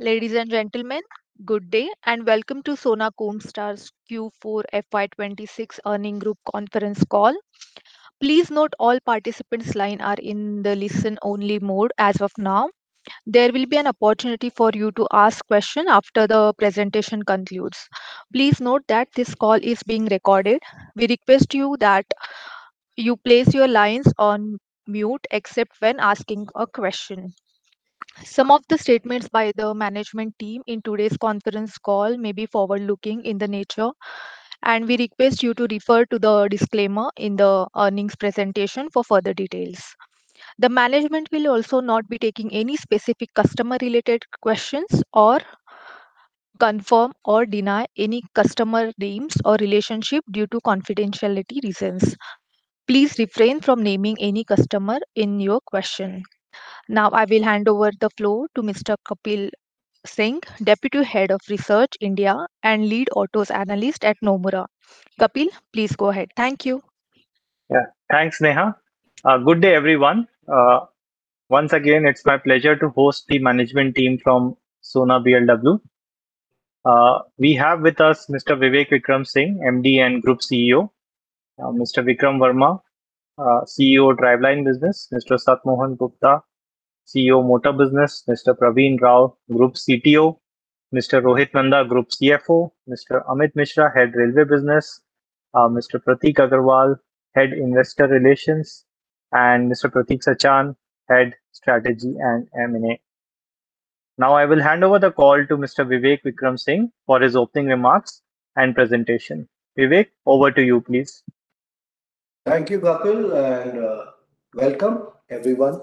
Ladies and gentlemen, good day, and welcome to Sona Comstar's Q4 FY 2026 earnings group conference call. Please note all participants' lines are in the listen-only mode as of now. There will be an opportunity for you to ask questions after the presentation concludes. Please note that this call is being recorded. We request you that you place your lines on mute except when asking a question. Some of the statements by the management team in today's conference call may be forward-looking in the nature, and we request you to refer to the disclaimer in the earnings presentation for further details. The management will also not be taking any specific customer-related questions or confirm or deny any customer names or relationship due to confidentiality reasons. Please refrain from naming any customer in your question. Now, I will hand over the floor to Mr. Kapil Singh, Deputy Head of Research India and Lead Autos Analyst at Nomura. Kapil, please go ahead. Thank you. Yeah. Thanks, Neha. Good day, everyone. Once again, it's my pleasure to host the management team from Sona BLW. We have with us Mr. Vivek Vikram Singh, MD and Group CEO; Mr. Vikram Verma, CEO, Driveline Business; Mr. Sat Mohan Gupta, CEO, Motor Business; Mr. Praveen Rao, Group CTO; Mr. Rohit Nanda, Group CFO; Mr. Amit Mishra, Head, Railway Business; Mr. [Pratik Agrawal], Head, Investor Relations; and Mr. Pratik Sachan, Head, Strategy and M&A. Now I will hand over the call to Mr. Vivek Vikram Singh for his opening remarks and presentation. Vivek, over to you, please. Thank you, Kapil, and welcome everyone.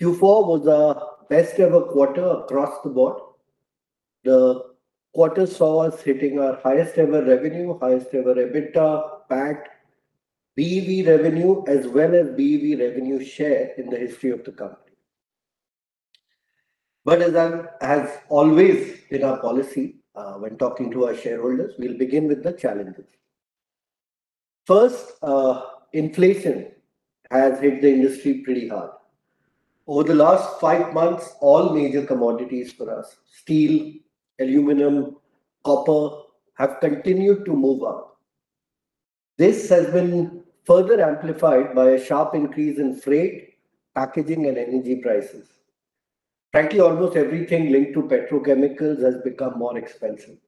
Q4 was our best ever quarter across the board. The quarter saw us hitting our highest ever revenue, highest ever EBITDA, PAT, BEV revenue, as well as BEV revenue share in the history of the company. As always in our policy, when talking to our shareholders, we'll begin with the challenges. First, inflation has hit the industry pretty hard. Over the last five months, all major commodities for us, steel, aluminum, copper, have continued to move up. This has been further amplified by a sharp increase in freight, packaging, and energy prices. Frankly, almost everything linked to petrochemicals has become more expensive.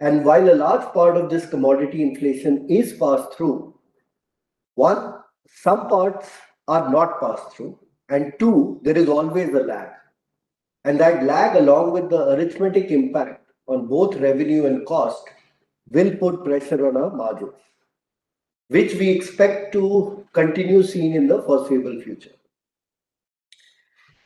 While a large part of this commodity inflation is passed through, one, some parts are not passed through, and two, there is always a lag. That lag, along with the arithmetic impact on both revenue and cost, will put pressure on our margins, which we expect to continue seeing in the foreseeable future.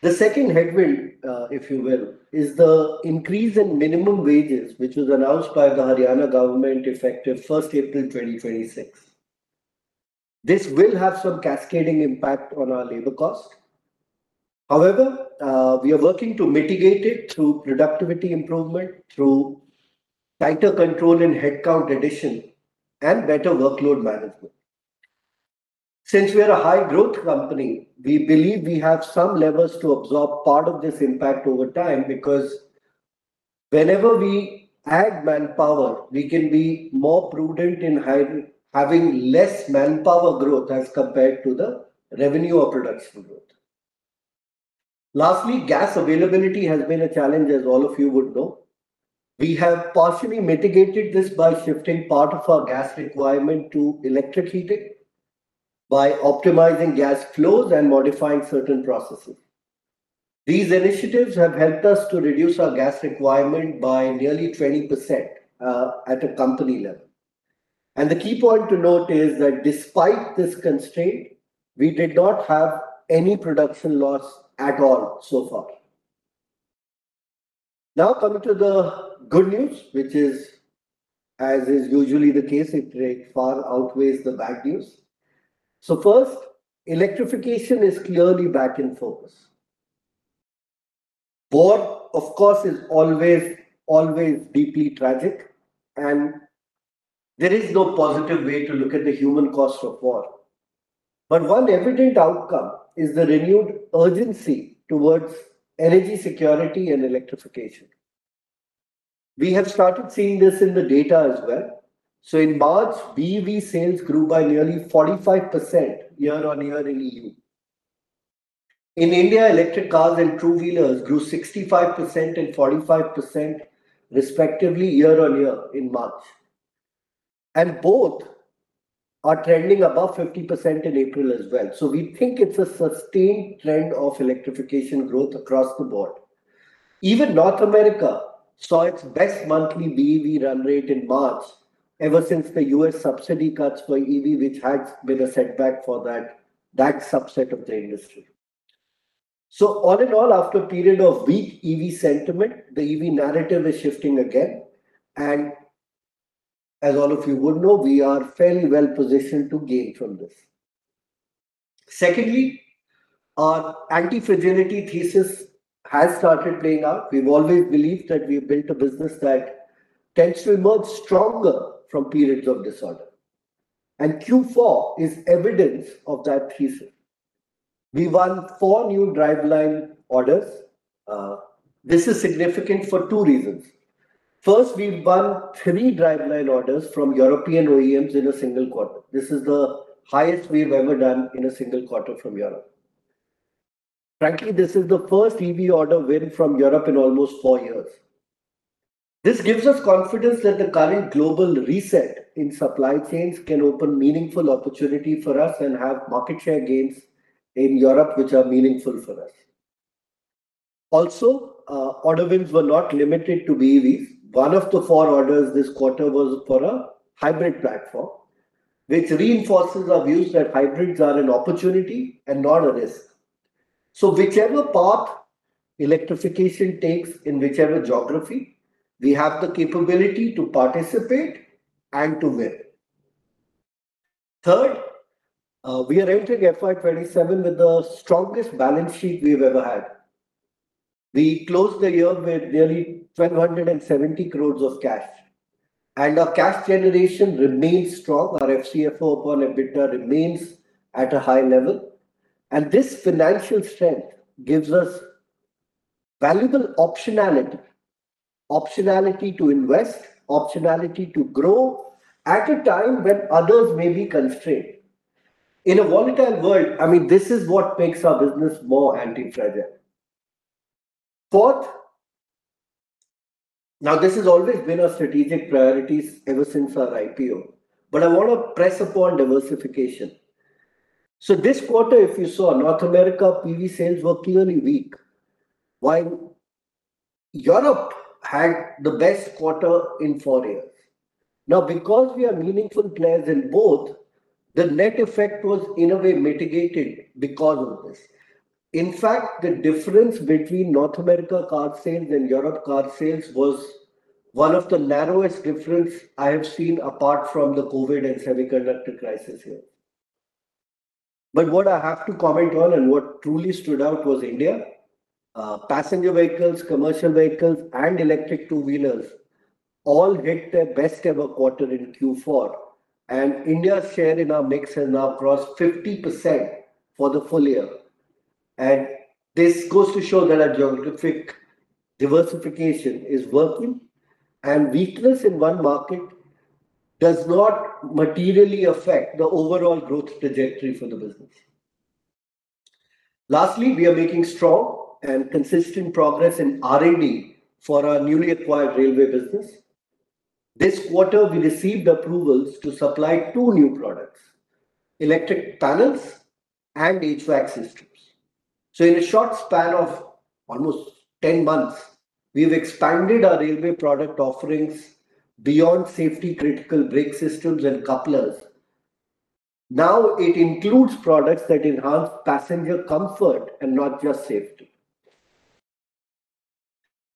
The second headwind, if you will, is the increase in minimum wages, which was announced by the Haryana Government effective 1st April 2026. This will have some cascading impact on our labor cost. However, we are working to mitigate it through productivity improvement, through tighter control in headcount addition and better workload management. Since we are a high-growth company, we believe we have some levers to absorb part of this impact over time because whenever we add manpower, we can be more prudent in having less manpower growth as compared to the revenue or production growth. Lastly, gas availability has been a challenge, as all of you would know. We have partially mitigated this by shifting part of our gas requirement to electric heating by optimizing gas flows and modifying certain processes. These initiatives have helped us to reduce our gas requirement by nearly 20% at a company level. The key point to note is that despite this constraint, we did not have any production loss at all so far. Now coming to the good news, which is, as is usually the case, it far outweighs the bad news. First, electrification is clearly back in focus. War, of course, is always deeply tragic, and there is no positive way to look at the human cost of war. One evident outcome is the renewed urgency towards energy security and electrification. We have started seeing this in the data as well. In March, BEV sales grew by nearly 45% year-on-year in EU. In India, electric cars and two-wheelers grew 65% and 45% respectively year-on-year in March, and both are trending above 50% in April as well. We think it's a sustained trend of electrification growth across the board. Even North America saw its best monthly BEV run rate in March ever since the U.S. subsidy cuts for EV, which had been a setback for that subset of the industry. All in all, after a period of weak EV sentiment, the EV narrative is shifting again, and as all of you would know, we are fairly well-positioned to gain from this. Secondly, our anti-fragility thesis has started playing out. We've always believed that we built a business that tends to emerge stronger from periods of disorder. Q4 is evidence of that thesis. We won four new driveline orders. This is significant for two reasons. First, we won three driveline orders from European OEMs in a single quarter. This is the highest we've ever done in a single quarter from Europe. Frankly, this is the first EV order win from Europe in almost four years. This gives us confidence that the current global reset in supply chains can open meaningful opportunity for us and have market share gains in Europe which are meaningful for us. Also, order wins were not limited to BEVs. One of the four orders this quarter was for a hybrid platform, which reinforces our views that hybrids are an opportunity and not a risk. Whichever path electrification takes in whichever geography, we have the capability to participate and to win. Third, we are entering FY 2027 with the strongest balance sheet we've ever had. We closed the year with nearly 1,270 crore of cash, and our cash generation remains strong. Our FCFO upon EBITDA remains at a high level, and this financial strength gives us valuable optionality. Optionality to invest, optionality to grow at a time when others may be constrained. In a volatile world, I mean, this is what makes our business more anti-fragile. Fourth, now this has always been our strategic priorities ever since our IPO, but I wanna press upon diversification. This quarter, if you saw North America, PV sales were clearly weak, while Europe had the best quarter in four years. Because we are meaningful players in both, the net effect was in a way mitigated because of this. The difference between North America car sales and Europe car sales was one of the narrowest difference I have seen apart from the COVID and semiconductor crisis here. What I have to comment on and what truly stood out was India. Passenger vehicles, commercial vehicles, and electric two-wheelers all hit their best ever quarter in Q4. India's share in our mix has now crossed 50% for the full year. This goes to show that our geographic diversification is working, and weakness in one market does not materially affect the overall growth trajectory for the business. Lastly, we are making strong and consistent progress in R&D for our newly acquired railway business. This quarter, we received approvals to supply two new products, electric panels and HVAC systems. In a short span of almost 10 months, we've expanded our railway product offerings beyond safety-critical brake systems and couplers. Now, it includes products that enhance passenger comfort and not just safety.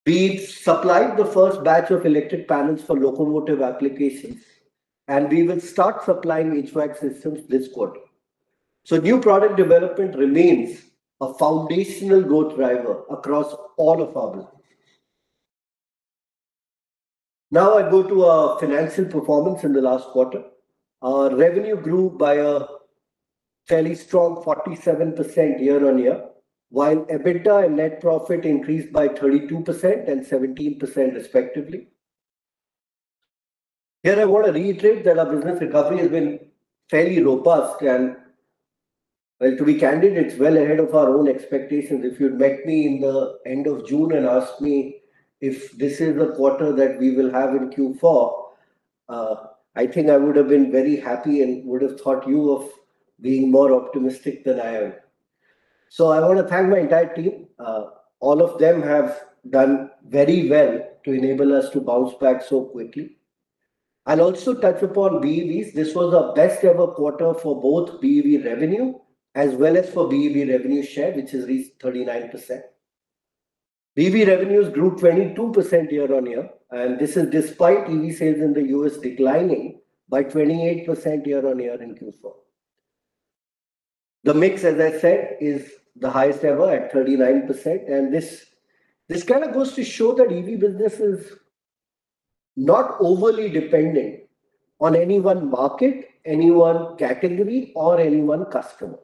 We've supplied the first batch of electric panels for locomotive applications, and we will start supplying HVAC systems this quarter. New product development remains a foundational growth driver across all of our businesses. I go to our financial performance in the last quarter. Our revenue grew by a fairly strong 47% year-on-year, while EBITDA and net profit increased by 32% and 17% respectively. I wanna reiterate that our business recovery has been fairly robust, and well, to be candid, it's well ahead of our own expectations. If you'd met me in the end of June and asked me if this is the quarter that we will have in Q4, I think I would have been very happy and would have thought you of being more optimistic than I am. I wanna thank my entire team. All of them have done very well to enable us to bounce back so quickly. I'll also touch upon BEVs. This was our best ever quarter for both BEV revenue as well as for BEV revenue share, which has reached 39%. BEV revenues grew 22% year-on-year, and this is despite EV sales in the U.S. declining by 28% year-on-year in Q4. The mix, as I said, is the highest ever at 39%, and this, this kinda goes to show that EV business is not overly dependent on any one market, any one category, or any one customer.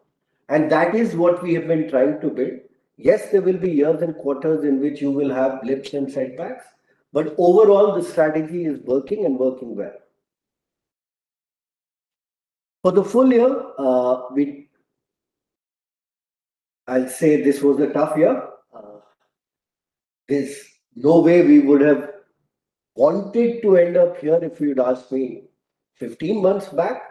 That is what we have been trying to build. Yes, there will be years and quarters in which you will have blips and setbacks, but overall the strategy is working and working well. For the full year, we, I'll say this was a tough year. There's no way we would have wanted to end up here if you'd asked me 15 months back.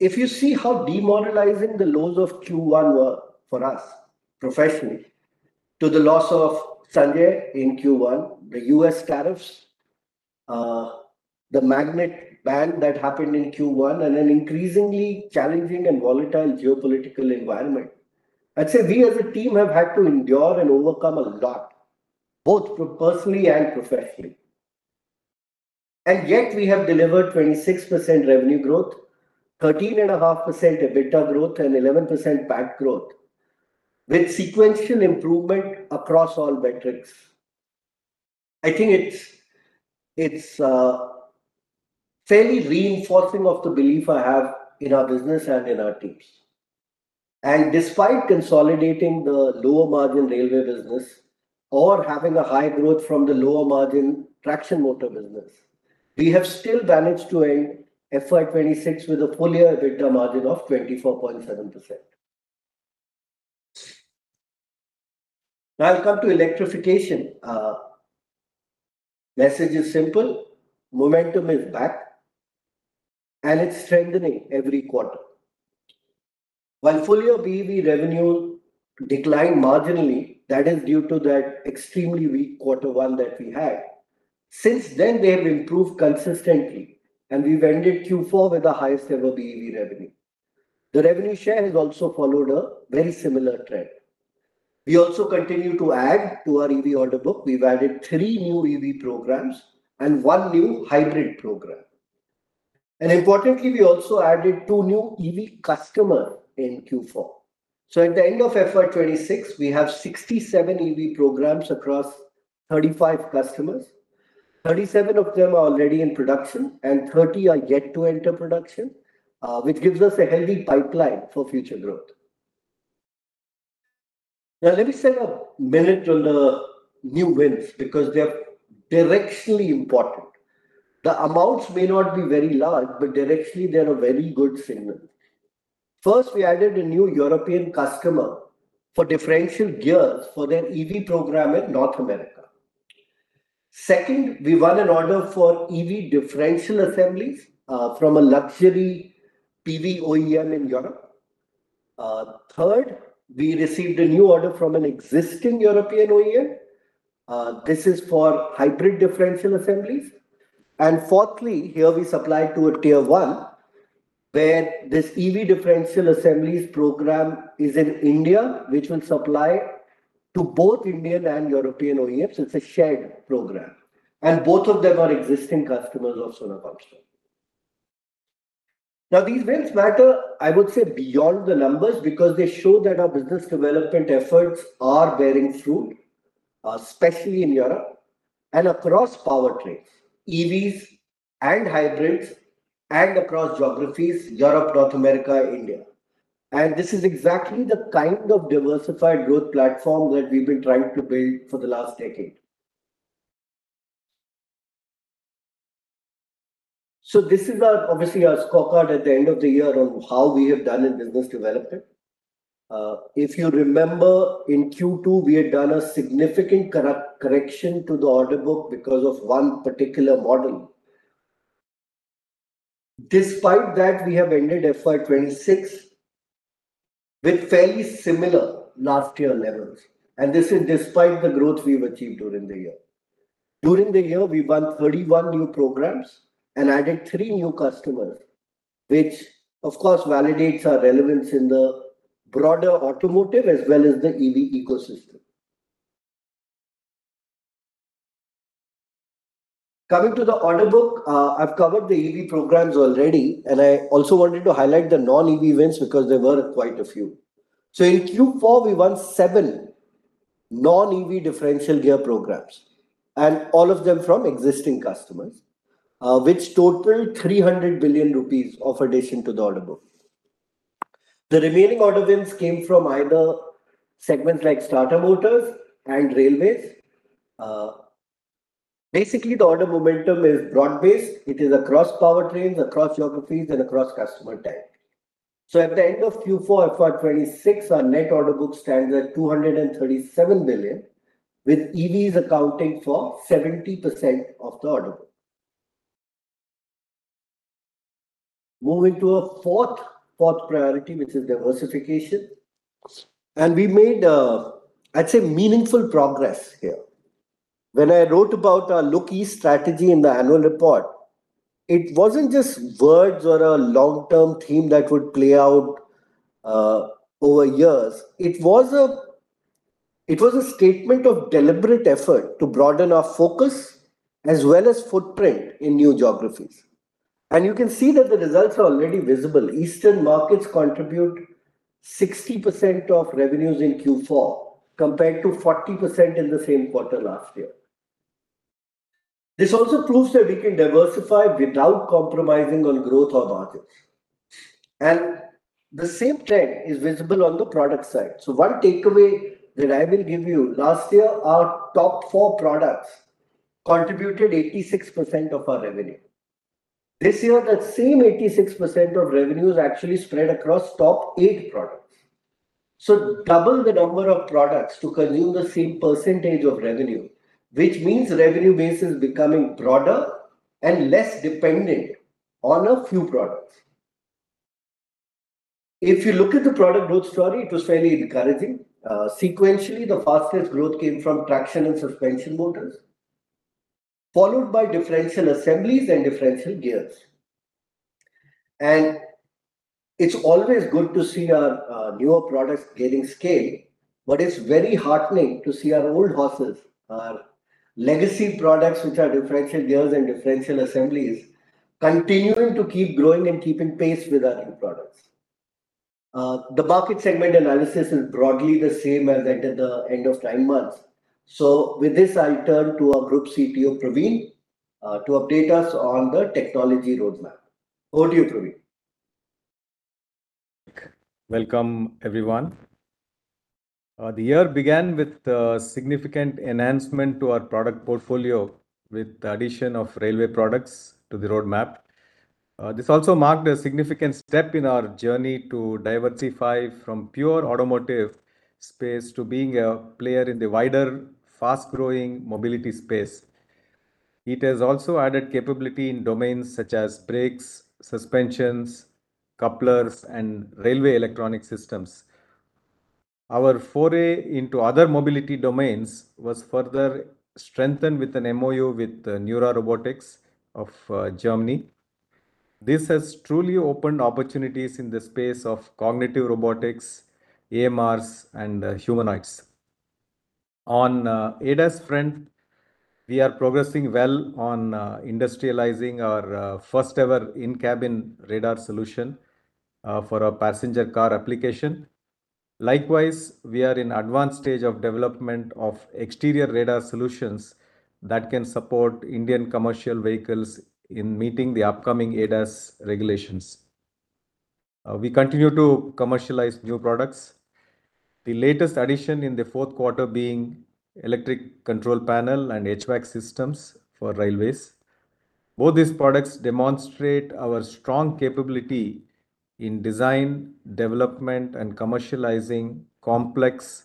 If you see how demoralizing the lows of Q1 were for us professionally to the loss of Sunjay in Q1, the U.S. tariffs, the magnet ban that happened in Q1, and an increasingly challenging and volatile geopolitical environment, I'd say we as a team have had to endure and overcome a lot, both personally and professionally. Yet, we have delivered 26% revenue growth, 13.5% EBITDA growth, and 11% PAT growth. With sequential improvement across all metrics, I think it's fairly reinforcing of the belief I have in our business and in our teams. Despite consolidating the lower margin railway business or having a high growth from the lower margin traction motor business, we have still managed to end FY 2026 with a full year EBITDA margin of 24.7%. I come to electrification. Message is simple, momentum is back, and it's strengthening every quarter. While full year BEV revenue declined marginally, that is due to that extremely weak Q1 that we had. Since then, they have improved consistently, and we've ended Q4 with the highest ever BEV revenue. The revenue share has also followed a very similar trend. We also continue to add to our EV order book. We've added three new EV programs and one new hybrid program. Importantly, we also added two new EV customer in Q4. At the end of FY 2026, we have 67 EV programs across 35 customers. 37 of them are already in production, and 30 are yet to enter production, which gives us a healthy pipeline for future growth. Let me spend a minute on the new wins because they're directionally important. The amounts may not be very large, but directionally they're a very good signal. First, we added a new European customer for differential gears for their EV program in North America. Second, we won an order for EV differential assemblies from a luxury PV OEM in Europe. Third, we received a new order from an existing European OEM. This is for hybrid differential assemblies. Fourthly, here we supplied to a Tier 1, where this EV differential assemblies program is in India, which will supply to both Indian and European OEMs. It's a shared program, and both of them are existing customers of Sona Comstar. These wins matter, I would say, beyond the numbers because they show that our business development efforts are bearing fruit, especially in Europe and across powertrains, EVs and hybrids, and across geographies, Europe, North America, India. This is exactly the kind of diversified growth platform that we've been trying to build for the last decade. This is our, obviously, our scorecard at the end of the year on how we have done in business development. If you remember, in Q2, we had done a significant correction to the order book because of one particular model. Despite that, we have ended FY 2026 with fairly similar last year levels, and this is despite the growth we've achieved during the year. During the year, we won 31 new programs and added three new customers, which of course validates our relevance in the broader automotive as well as the EV ecosystem. Coming to the order book, I've covered the EV programs already, and I also wanted to highlight the non-EV wins because there were quite a few. In Q4, we won seven non-EV differential gear programs, and all of them from existing customers, which totaled 300 billion rupees of addition to the order book. The remaining order wins came from either segments like starter motors and railways. Basically, the order momentum is broad-based. It is across powertrains, across geographies, and across customer type. At the end of Q4 FY 2026, our net order book stands at 237 billion, with EVs accounting for 70% of the order book. Moving to our fourth priority, which is diversification, and we made, I'd say meaningful progress here. When I wrote about our low-key strategy in the annual report, it wasn't just words or a long-term theme that would play out over years. It was a statement of deliberate effort to broaden our focus as well as footprint in new geographies. You can see that the results are already visible. Eastern markets contribute 60% of revenues in Q4 compared to 40% in the same quarter last year. This also proves that we can diversify without compromising on growth or margins. The same trend is visible on the product side. One takeaway that I will give you, last year, our top four products contributed 86% of our revenue. This year, that same 86% of revenue is actually spread across top eight products. Double the number of products to consume the same percentage of revenue, which means revenue base is becoming broader and less dependent on a few products. If you look at the product growth story, it was fairly encouraging. Sequentially, the fastest growth came from traction and suspension motors, followed by differential assemblies and differential gears. It's always good to see our newer products gaining scale, but it's very heartening to see our old horses, our legacy products, which are differential gears and differential assemblies continuing to keep growing and keeping pace with our new products. The market segment analysis is broadly the same as at the end of nine months. With this, I turn to our Group CTO, Praveen, to update us on the technology roadmap. Over to you, Praveen. Welcome, everyone. The year began with a significant enhancement to our product portfolio with the addition of railway products to the roadmap. This also marked a significant step in our journey to diversify from pure automotive space to being a player in the wider fast-growing mobility space. It has also added capability in domains such as brakes, suspensions, couplers, and railway electronic systems. Our foray into other mobility domains was further strengthened with an MoU with NEURA Robotics of Germany. This has truly opened opportunities in the space of cognitive robotics, AMRs, and humanoids. On ADAS front, we are progressing well on industrializing our first ever in-cabin radar solution for a passenger car application. Likewise, we are in advanced stage of development of exterior radar solutions that can support Indian commercial vehicles in meeting the upcoming ADAS regulations. We continue to commercialize new products, the latest addition in the fourth quarter being electric control panel and HVAC systems for railways. Both these products demonstrate our strong capability in design, development, and commercializing complex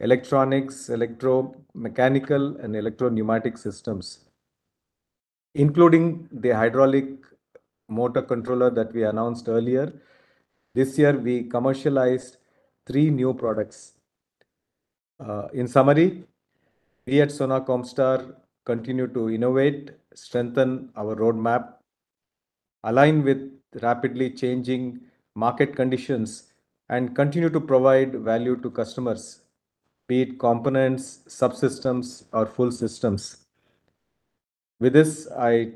electronics, electromechanical, and electro-pneumatic systems. Including the hydraulic motor controller that we announced earlier, this year, we commercialized three new products. In summary, we at Sona Comstar continue to innovate, strengthen our roadmap, align with rapidly changing market conditions, and continue to provide value to customers, be it components, subsystems, or full systems. With this, I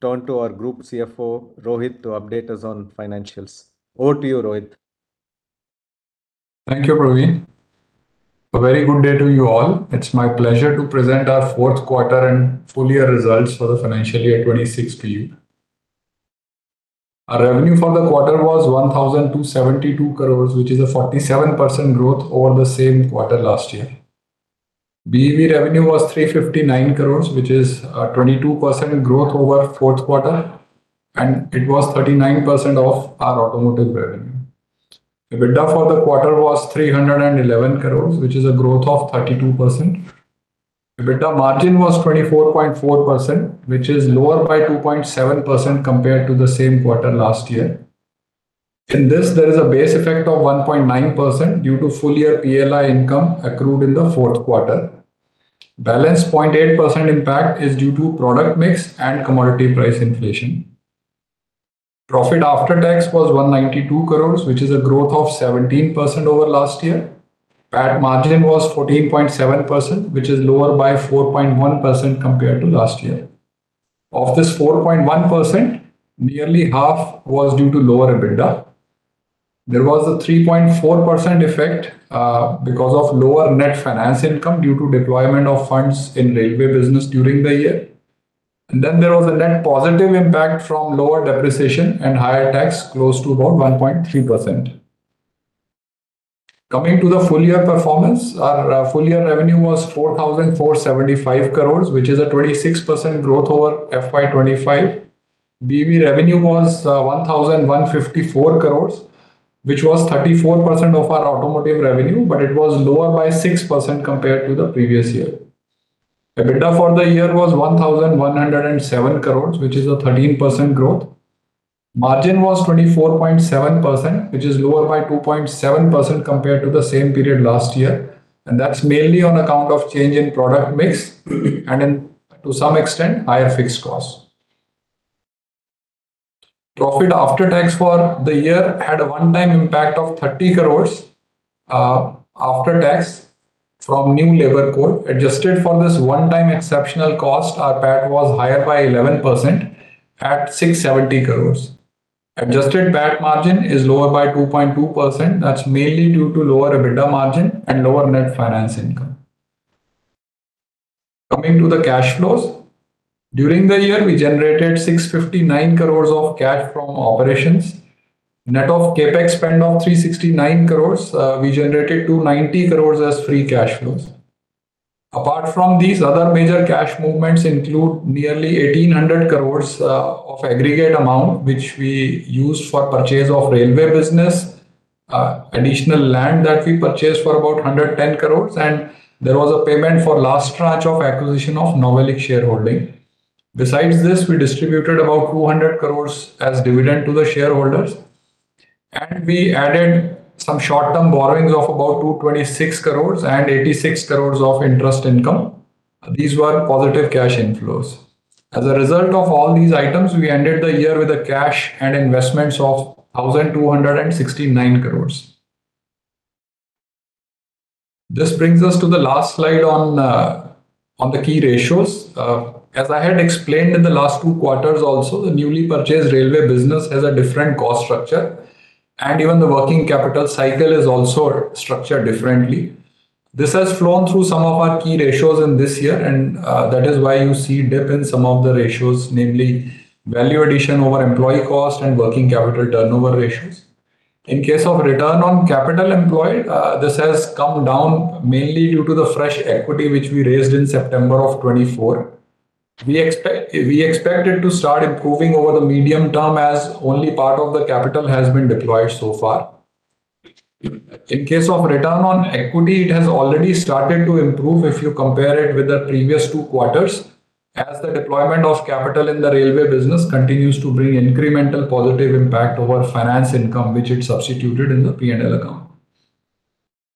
turn to our Group CFO, Rohit, to update us on financials. Over to you, Rohit. Thank you, Praveen. A very good day to you all. It's my pleasure to present our fourth quarter and full year results for the financial year 2026 to you. Our revenue for the quarter was 1,272 crore, which is a 47% growth over the same quarter last year. BEV revenue was 359 crore, which is a 22% growth over fourth quarter, and it was 39% of our automotive revenue. EBITDA for the quarter was 311 crore, which is a growth of 32%. EBITDA margin was 24.4%, which is lower by 2.7% compared to the same quarter last year. In this, there is a base effect of 1.9% due to full year PLI income accrued in the fourth quarter. Balance 0.8% impact is due to product mix and commodity price inflation. Profit after tax was 192 crore, which is a growth of 17% over last year. PAT margin was 14.7%, which is lower by 4.1% compared to last year. Of this 4.1%, nearly half was due to lower EBITDA. There was a 3.4% effect because of lower net finance income due to deployment of funds in railway business during the year. There was a net positive impact from lower depreciation and higher tax close to about 1.3%. Coming to the full year performance. Our full year revenue was 4,475 crore, which is a 26% growth over FY 2025. BEV revenue was 1,154 crore, which was 34% of our automotive revenue, but it was lower by 6% compared to the previous year. EBITDA for the year was 1,107 crore, which is a 13% growth. Margin was 24.7%, which is lower by 2.7% compared to the same period last year. That's mainly on account of change in product mix and in, to some extent, higher fixed costs. Profit after tax for the year had a one-time impact of 30 crore after tax from new labour codes. Adjusted for this one-time exceptional cost, our PAT was higher by 11% at 670 crore. Adjusted PAT margin is lower by 2.2%. That's mainly due to lower EBITDA margin and lower net finance income. Coming to the cash flows. During the year, we generated 659 crore of cash from operations. Net of CapEx spend of 369 crore, we generated 290 crore as free cash flows. Apart from these, other major cash movements include nearly 1,800 crore of aggregate amount, which we used for purchase of railway business, additional land that we purchased for about 110 crore, and there was a payment for last tranche of acquisition of Novelic shareholding. Besides this, we distributed about 200 crore as dividend to the shareholders, and we added some short-term borrowings of about 226 crore and 86 crore of interest income. These were positive cash inflows. As a result of all these items, we ended the year with a cash and investments of 1,269 crore. This brings us to the last slide on the key ratios. As I had explained in the last two quarters also, the newly purchased railway business has a different cost structure, and even the working capital cycle is also structured differently. This has flown through some of our key ratios in this year, and that is why you see dip in some of the ratios, namely value addition over employee cost and working capital turnover ratios. In case of return on capital employed, this has come down mainly due to the fresh equity which we raised in September of 2024. We expect it to start improving over the medium term as only part of the capital has been deployed so far. In case of return on equity, it has already started to improve if you compare it with the previous two quarters, as the deployment of capital in the railway business continues to bring incremental positive impact over finance income which it substituted in the P&L account.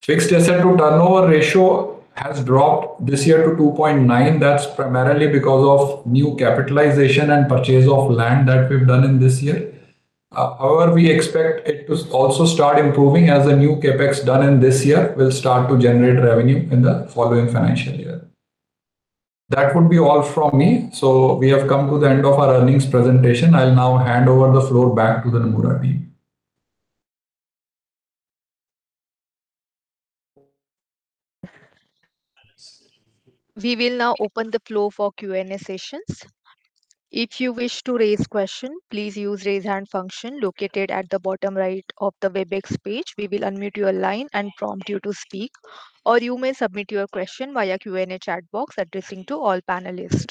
Fixed asset to turnover ratio has dropped this year to 2.9. That's primarily because of new capitalization and purchase of land that we've done in this year. However, we expect it to also start improving as the new CapEx done in this year will start to generate revenue in the following financial year. That would be all from me. We have come to the end of our earnings presentation. I'll now hand over the floor back to the Nomura team. We will now open the floor for Q&A sessions. If you wish to raise question, please use raise hand function located at the bottom right of the Webex page. We will unmute your line and prompt you to speak. Or you may submit your question via Q&A chat box addressing to all panelists.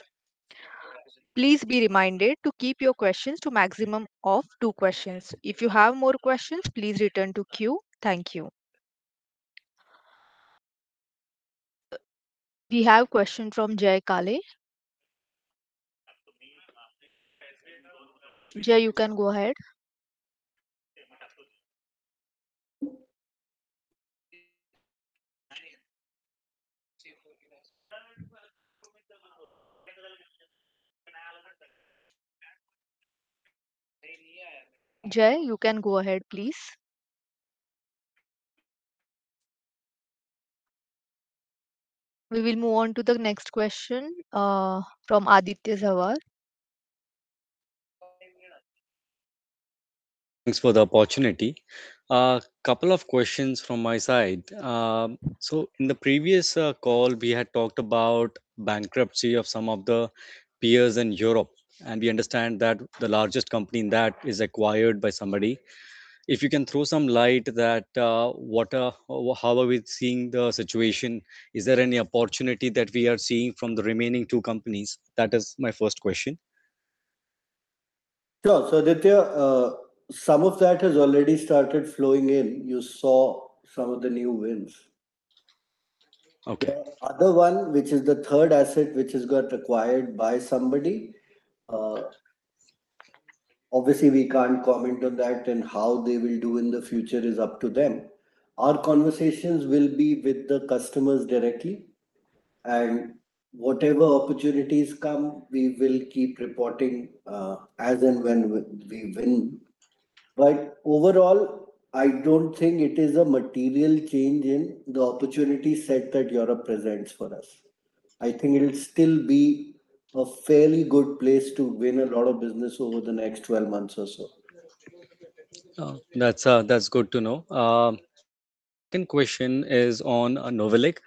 Please be reminded to keep your questions to maximum of two questions. If you have more questions, please return to queue. Thank you. We have question from Jay Kale. Jay, you can go ahead. Jay, you can go ahead, please. We will move on to the next question from Aditya Jhawar. Thanks for the opportunity. A couple of questions from my side. In the previous call, we had talked about bankruptcy of some of the peers in Europe, and we understand that the largest company in that is acquired by somebody. If you can throw some light that, what, how are we seeing the situation? Is there any opportunity that we are seeing from the remaining two companies? That is my first question. Sure. Aditya, some of that has already started flowing in. You saw some of the new wins. Okay. The other one, which is the third asset which has got acquired by somebody, obviously, we can't comment on that. How they will do in the future is up to them. Our conversations will be with the customers directly. Whatever opportunities come, we will keep reporting as and when we win. Overall, I don't think it is a material change in the opportunity set that Europe presents for us. I think it'll still be a fairly good place to win a lot of business over the next 12 months or so. Oh, that's good to know. Second question is on Novelic.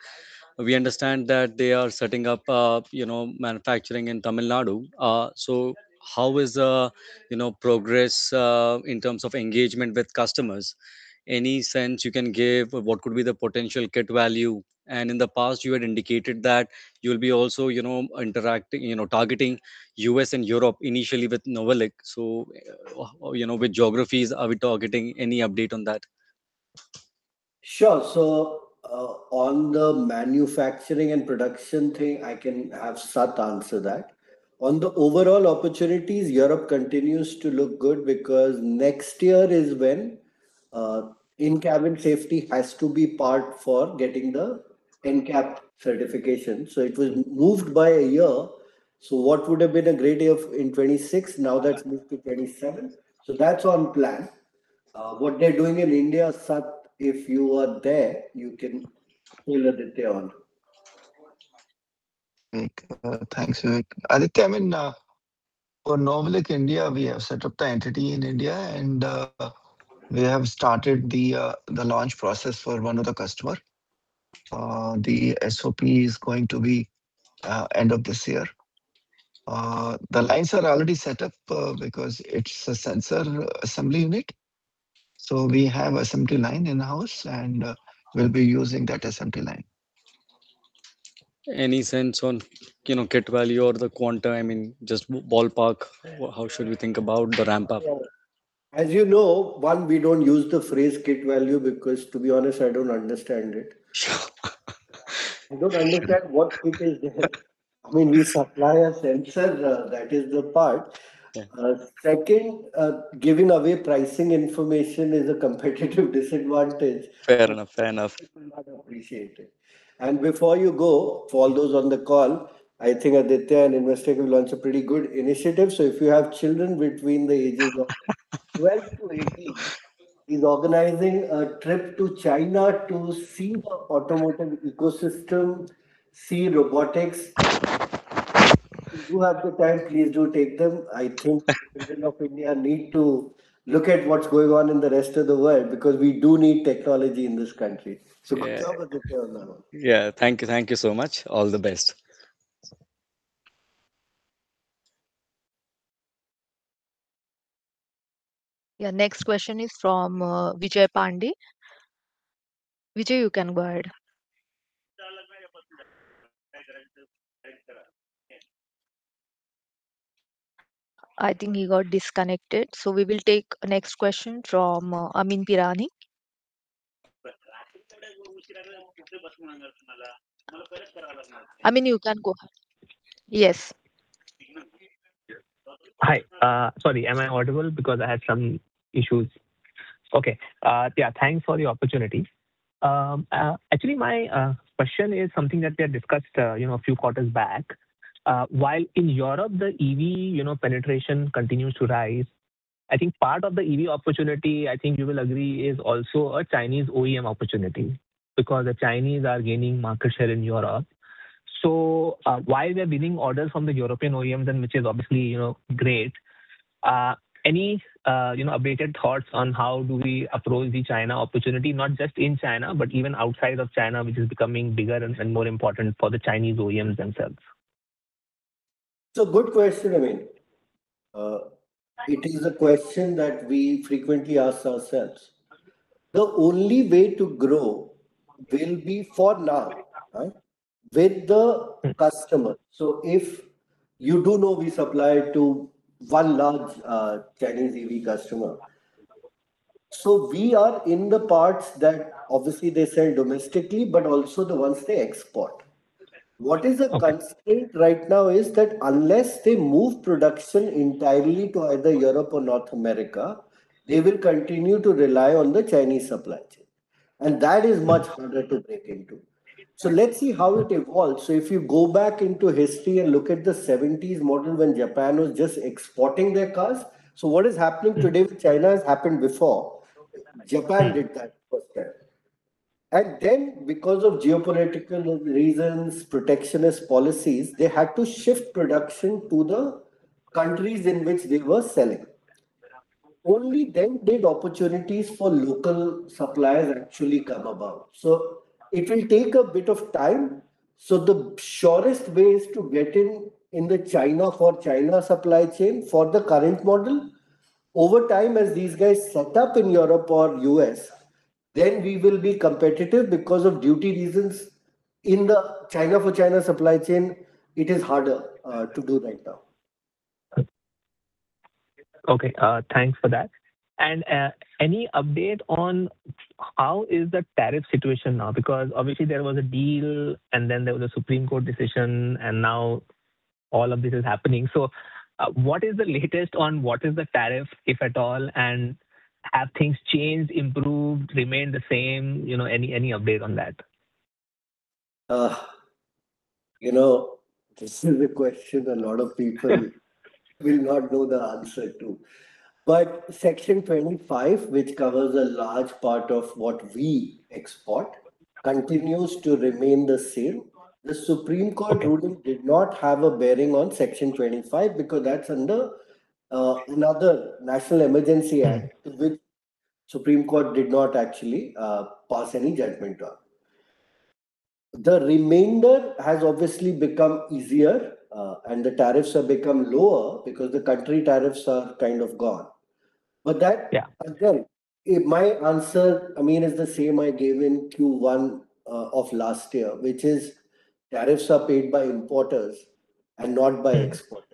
We understand that they are setting up, you know, manufacturing in Tamil Nadu. How is, you know, progress, in terms of engagement with customers? Any sense you can give what could be the potential kit value? In the past, you had indicated that you'll be also, you know, interacting, you know, targeting U.S. and Europe initially with Novelic. With geographies, are we targeting any update on that? Sure. On the manufacturing and production thing, I can have Sat answer that. On the overall opportunities, Europe continues to look good because next year is when in-cabin safety has to be part for getting the NCAP certification. It was moved by a year. What would have been a Grade A of in 2026, now that's moved to 2027. That's on plan. What they're doing in India, Sat, if you are there, you can fill Aditya on. Thanks, Vivek. Aditya, I mean, for Novelic India, we have set up the entity in India and we have started the launch process for one of the customer. The SOP is going to be end of this year. The lines are already set up because it's a sensor assembly unit. We have assembly line in-house, and we'll be using that assembly line. Any sense on, you know, kit value or the quantum, I mean, just ballpark, how should we think about the ramp-up? As you know, one, we don't use the phrase kit value because to be honest, I don't understand it. I don't understand what kit is there. I mean, we supply a sensor, that is the part. Yeah. Second, giving away pricing information is a competitive disadvantage. Fair enough. Fair enough. Appreciate it. Before you go, for all those on the call, I think Aditya and Investec have launched a pretty good initiative. If you have children between the ages of 12 to 18 is organizing a trip to China to see the automotive ecosystem, see robotics. If you have the time, please do take them. I think children of India need to look at what's going on in the rest of the world, because we do need technology in this country. Yeah. Good job with your. Yeah. Thank you. Thank you so much. All the best. Yeah, next question is from Vijay Pandey. Vijay, you can go ahead. I think he got disconnected, so we will take next question from Amyn Pirani. Amyn, you can go. Yes. Hi. Sorry, am I audible? Because I had some issues. Okay. Yeah, thanks for the opportunity. Actually, my question is something that we had discussed, you know, a few quarters back. While in Europe the EV, you know, penetration continues to rise, I think part of the EV opportunity, I think you will agree, is also a Chinese OEM opportunity, because the Chinese are gaining market share in Europe. While we are winning orders from the European OEMs and which is obviously, you know, great, any, you know, updated thoughts on how do we approach the China opportunity, not just in China, but even outside of China, which is becoming bigger and more important for the Chinese OEMs themselves? It's a good question, Amyn. It is a question that we frequently ask ourselves. The only way to grow will be for now, right, with the customer. You do know we supply to one large Chinese EV customer. We are in the parts that obviously they sell domestically, but also the ones they export. Okay. What is the constraint right now is that unless they move production entirely to either Europe or North America, they will continue to rely on the Chinese supply chain, and that is much harder to break into. Let's see how it evolves. If you go back into history and look at the 1970s model when Japan was just exporting their cars, so, what is happening today with China has happened before. Okay. Japan did that first step. Because of geopolitical reasons, protectionist policies, they had to shift production to the countries in which they were selling. Only then did opportunities for local suppliers actually come about. It will take a bit of time. The surest way is to get in the China for China supply chain for the current model. Over time, as these guys set up in Europe or U.S., we will be competitive because of duty reasons. In the China for China supply chain, it is harder to do right now. Okay. Thanks for that. Any update on how is the tariff situation now? Obviously, there was a deal and then there was a Supreme Court decision, and now all of this is happening. What is the latest on what is the tariff, if at all? Have things changed, improved, remained the same? You know, any update on that? You know, this is a question a lot of people will not know the answer to. But Section 25, which covers a large part of what we export, continues to remain the same. The Supreme Court ruling did not have a bearing on Section 25 because that's under another national emergencies act, which Supreme Court did not actually pass any judgment on. The remainder has obviously become easier, and the tariffs have become lower because the country tariffs are kind of gone. But that. Yeah. Again, my answer, Amyn, is the same I gave in Q1 of last year, which is, tariffs are paid by importers and not by exporters.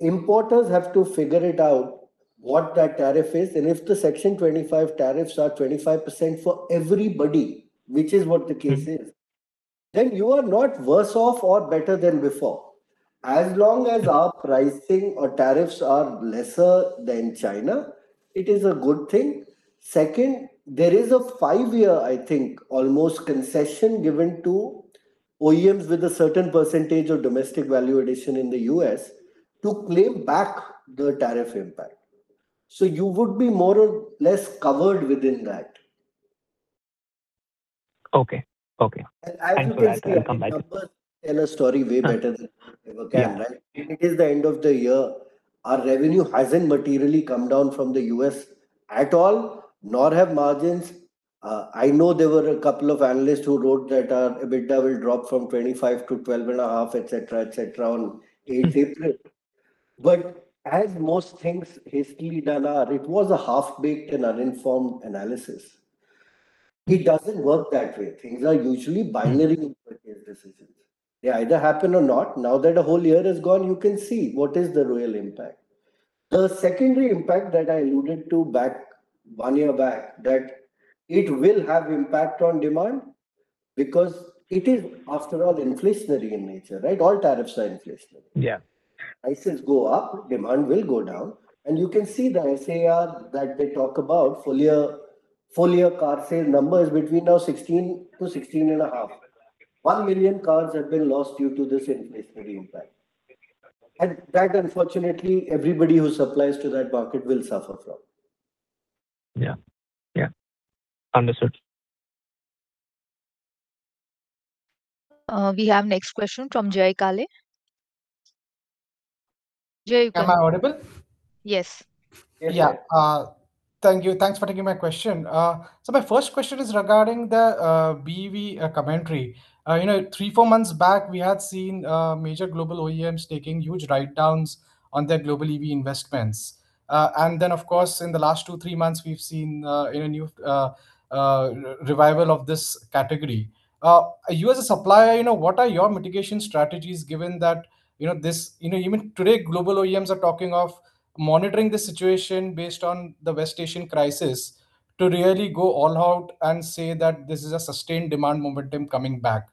Importers have to figure it out what that tariff is, and if the Section 25 tariffs are 25% for everybody, which is what the case is, then you are not worse off or better than before. As long as our pricing or tariffs are lesser than China, it is a good thing. Second, there is a five-year, I think, almost concession given to OEMs with a certain percentage of domestic value addition in the U.S. to claim back the tariff impact. You would be more or less covered within that. Okay. Okay. And I would say. Thanks for that. I'll come back. Numbers tell a story way better than. Yeah. Words ever can, right? It is the end of the year. Our revenue hasn't materially come down from the U.S. at all, nor have margins. I know there were a couple of analysts who wrote that our EBITDA will drop from 25% to 12.5%, et cetera, et cetera, on [8th April]. As most things historically done are, it was a half-baked and uninformed analysis. It doesn't work that way. Things are usually binary in purchase decisions. They either happen or not. Now that a whole year has gone, you can see what is the real impact. The secondary impact that I alluded to back, one year back, that it will have impact on demand because it is, after all, inflationary in nature, right? All tariffs are inflationary. Yeah. Prices go up, demand will go down. You can see the SAR that they talk about, full year car sale numbers between now 16 million to 16.5 million. One million cars have been lost due to this inflationary impact. That, unfortunately, everybody who supplies to that market will suffer from. Yeah. Yeah. Understood. We have next question from Jay Kale. Am I audible? Yes. Yes, Jay. Yeah. Thank you. Thanks for taking my question. My first question is regarding the BEV commentary. You know, three, four months back, we had seen major global OEMs taking huge write-downs on their global EV investments. Of course, in the last two, three months we've seen, you know, new revival of this category. You as a supplier, you know, what are your mitigation strategies given that, you know, this, you know, even today global OEMs are talking of monitoring the situation based on the West Asian crisis to really go all out and say that this is a sustained demand momentum coming back?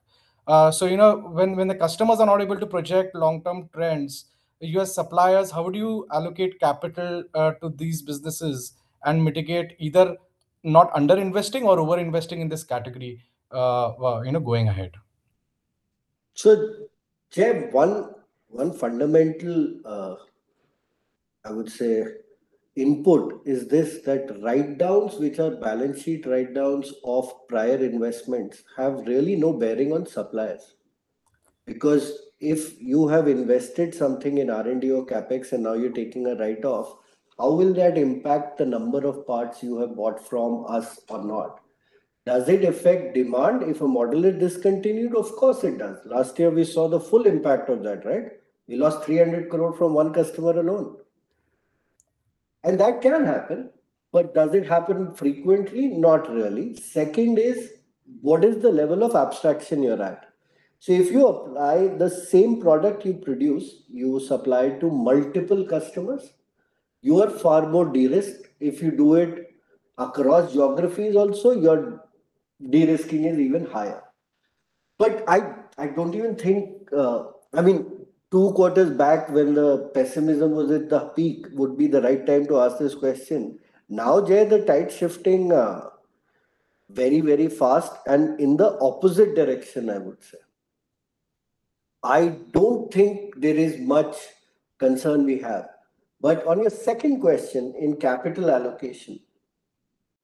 You know, when the customers are not able to project long-term trends, you as suppliers, how do you allocate capital to these businesses and mitigate either not under-investing or over-investing in this category, you know, going ahead? Jay, one fundamental, I would say input is this, that write-downs which are balance sheet write-downs of prior investments have really no bearing on suppliers. Because if you have invested something in R&D or CapEx and now you're taking a write-off, how will that impact the number of parts you have bought from us or not? Does it affect demand if a model is discontinued? Of course it does. Last year, we saw the full impact of that, right? We lost 300 crore from one customer alone. That can happen. Does it happen frequently? Not really. Second is, what is the level of abstraction you're at? If you apply the same product you produce, you supply to multiple customers, you are far more de-risked. If you do it across geographies also, your de-risking is even higher. I don't even think, I mean, two quarters back, when the pessimism was at the peak would be the right time to ask this question. Now, Jay, the tide's shifting very, very fast and in the opposite direction, I would say. I don't think there is much concern we have. On your second question, in capital allocation,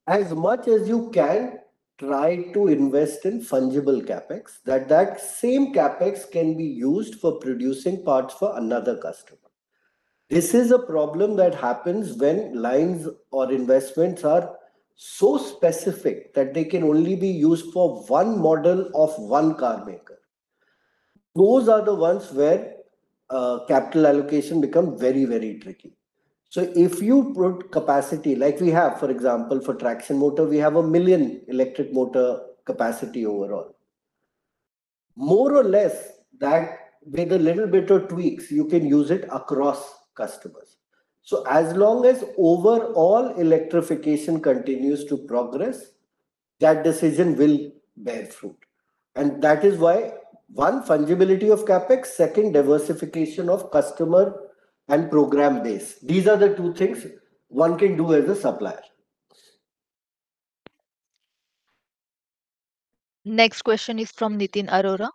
as much as you can, try to invest in fungible CapEx, that same CapEx can be used for producing parts for another customer. This is a problem that happens when lines or investments are so specific that they can only be used for one model of one car maker. Those are the ones where capital allocation become very, very tricky. If you put capacity, like we have, for example, for traction motor, we have 1 million electric motor capacity overall. More or less that, with a little bit of tweaks, you can use it across customers. As long as overall electrification continues to progress, that decision will bear fruit. That is why, one, fungibility of CapEx, second, diversification of customer and program base. These are the two things one can do as a supplier. Next question is from Nitin Arora.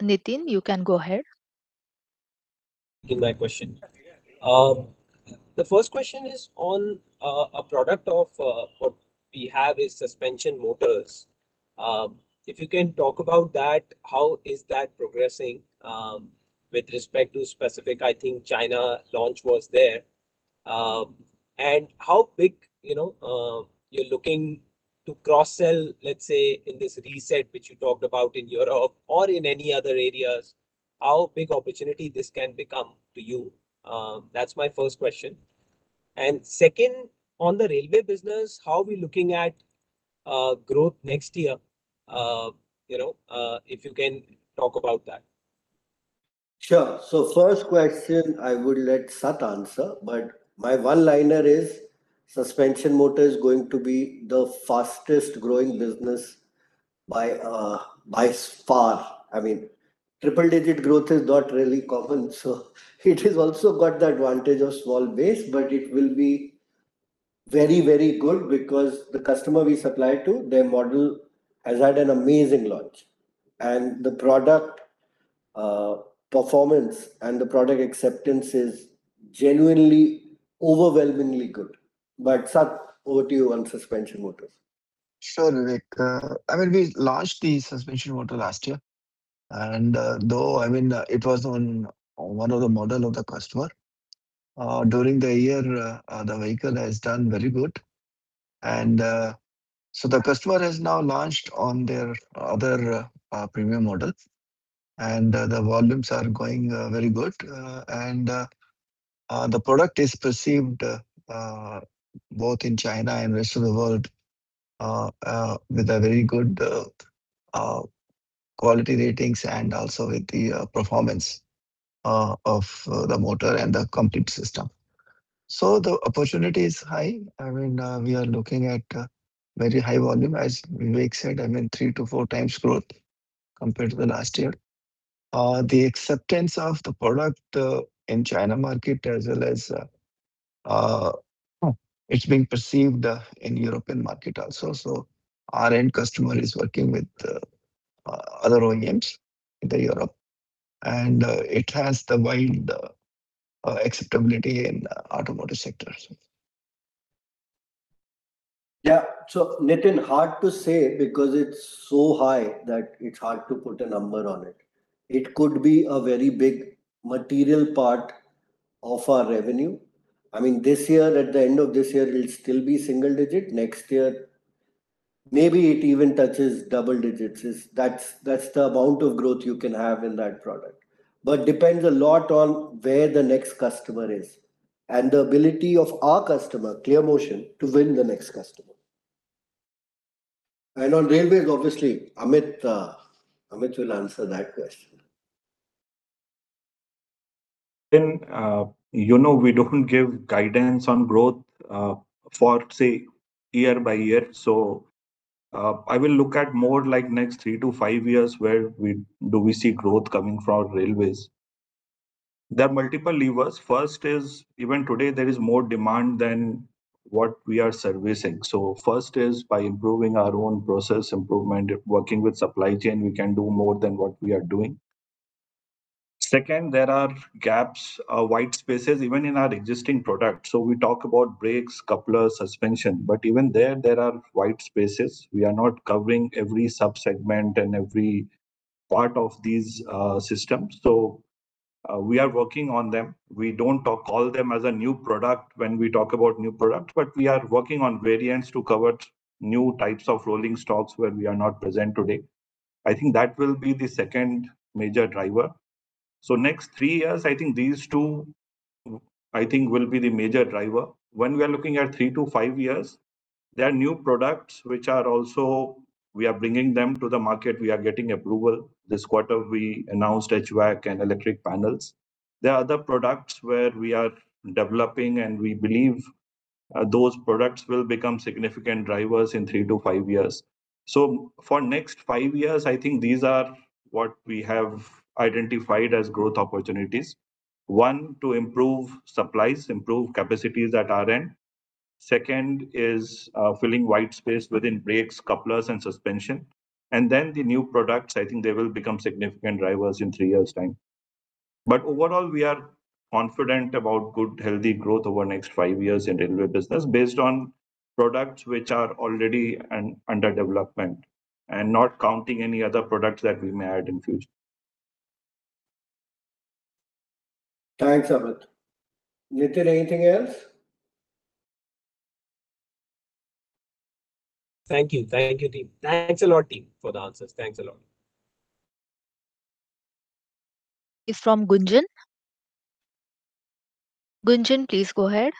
Nitin, you can go ahead. Give my question. The first question is on, a product of what we have is suspension motors. If you can talk about that, how is that progressing with respect to specific, I think China launch was there. And how big, you know, you're looking to cross-sell, let's say, in this reset which you talked about in Europe or in any other areas, how big opportunity this can become to you? That's my first question. Second, on the railway business, how are we looking at growth next year, you know, if you can talk about that. Sure. First question, I would let Sat answer, my one-liner is, suspension motor is going to be the fastest growing business by far. I mean, triple-digit growth is not really common, so it has also got the advantage of small base, but it will be very, very good because the customer we supply to, their model has had an amazing launch. The product performance and the product acceptance is genuinely overwhelmingly good. Sat, over to you on suspension motors. Sure, Vivek. I mean, we launched the suspension motor last year. Though, I mean, it was on one of the model of the customer. During the year, the vehicle has done very good. The customer has now launched on their other premium models. The volumes are going very good. The product is perceived both in China and rest of the world with a very good quality ratings and also with the performance of the motor and the complete system. The opportunity is high. I mean, we are looking at very high volume. As Vivek said, I mean three to four times growth compared to the last year. The acceptance of the product in China market as well as, it's being perceived in European market also. Our end customer is working with other OEMs in Europe. It has the wide acceptability in automotive sector as well. Yeah. Nitin, hard to say because it's so high that it's hard to put a number on it. It could be a very big material part of our revenue. I mean, this year, at the end of this year it'll still be single digit. Next year, maybe it even touches double digits. That's the amount of growth you can have in that product. Depends a lot on where the next customer is, and the ability of our customer, ClearMotion, to win the next customer. On railways, obviously, Amit will answer that question. You know we don't give guidance on growth for, say, year-by-year. I will look at more like next three to five years where do we see growth coming from railways. There are multiple levers. First is even today there is more demand than what we are servicing. First is by improving our own process improvement. Working with supply chain, we can do more than what we are doing. Second, there are gaps, white spaces even in our existing products. We talk about brakes, couplers, suspension, but even there are white spaces. We are not covering every sub-segment and every part of these systems. We are working on them. We don't call them as a new product when we talk about new product, but we are working on variants to cover new types of rolling stocks where we are not present today. I think that will be the second major driver. Next three years, I think these two will be the major driver. When we are looking at three to five years, there are new products which are also we are bringing them to the market, we are getting approval. This quarter we announced HVAC and electric panels. There are other products where we are developing, and we believe those products will become significant drivers in three to five years. For next five years, I think these are what we have identified as growth opportunities. One, to improve supplies, improve capacities at our end Second is filling white space within brakes, couplers, and suspension. The new products, I think they will become significant drivers in three years' time. Overall, we are confident about good healthy growth over next five years in railway business based on products which are already under development, not counting any other products that we may add in future. Thanks, Amit. Nitin, anything else? Thank you. Thank you, team. Thanks a lot, team, for the answers. Thanks a lot. Next is from Gunjan. Gunjan, please go ahead.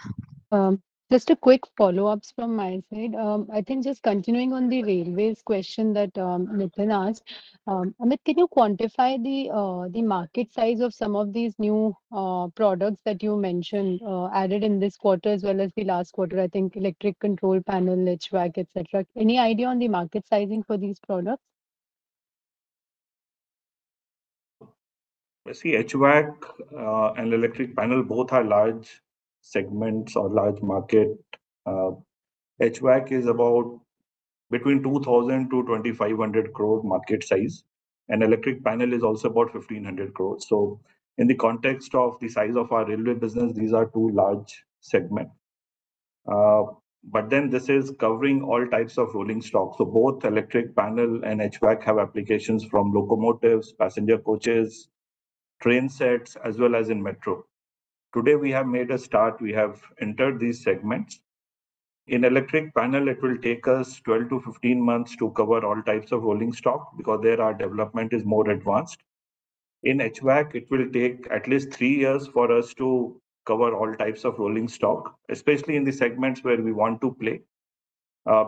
Just a quick follow-ups from my side. I think just continuing on the railways question that Nitin asked. Amit, can you quantify the market size of some of these new products that you mentioned, added in this quarter as well as the last quarter? I think electric control panel, HVAC, et cetera. Any idea on the market sizing for these products? You see, HVAC, and electric panel, both are large segments or large market. HVAC is about between 2,000 crore-2,500 crore market size, and electric panel is also about 1,500 crore. In the context of the size of our railway business, these are two large segments. This is covering all types of rolling stock. Both electric panel and HVAC have applications from locomotives, passenger coaches, train sets, as well as in metro. Today we have made a start. We have entered these segments. In electric panel, it will take us 12-15 months to cover all types of rolling stock because there our development is more advanced. In HVAC, it will take at least three years for us to cover all types of rolling stock, especially in the segments where we want to play,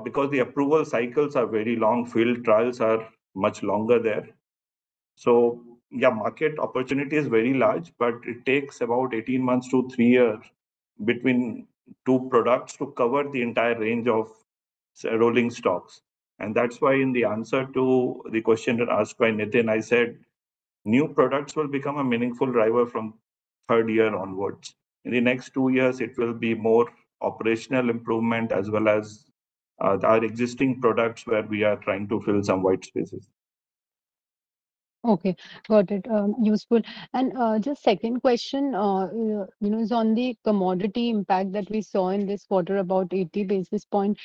because the approval cycles are very long. Field trials are much longer there. Yeah, market opportunity is very large, but it takes about 18 months to three years between two products to cover the entire range of, say, rolling stocks. That's why in the answer to the question that asked by Nitin, I said new products will become a meaningful driver from third year onwards. In the next two years, it will be more operational improvement as well as, our existing products where we are trying to fill some white spaces. Okay. Got it. Useful. Just second question, you know, is on the commodity impact that we saw in this quarter, about 80 basis points.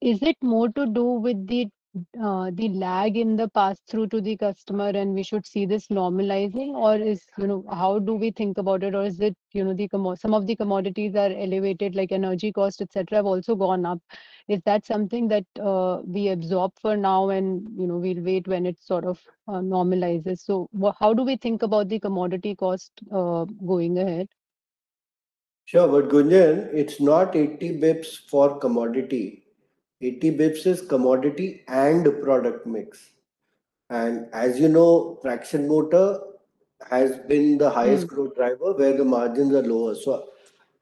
Is it more to do with the lag in the pass-through to the customer, and we should see this normalizing? You know, how do we think about it? Is it, you know, some of the commodities are elevated, like energy cost, et cetera, have also gone up. Is that something that we absorb for now and, you know, we'll wait when it sort of normalizes? How do we think about the commodity cost going ahead? Sure. Gunjan, it's not 80 basis points for commodity. 80 basis points is commodity and product mix. As you know, traction motor has been the highest. Mm-hmm. Growth driver where the margins are lower.